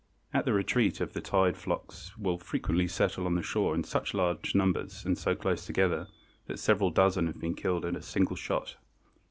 At the retreat of the tide flocks will frequently settle on the shore in such large numbers and so close together that several dozen have been killed at a single shot.